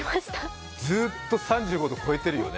ずっと３５度超えてるよね。